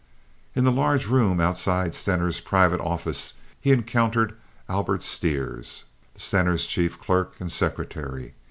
In the large room outside Stener's private office he encountered Albert Stires, Stener's chief clerk and secretary.